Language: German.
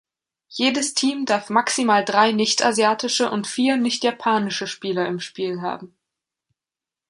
Jedes Team darf maximal drei nicht-asiatische und vier nicht-japanische Spieler im Spiel haben.